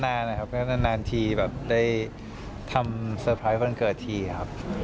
นานนะครับก็นานทีแบบได้ทำเซอร์ไพรส์วันเกิดทีครับ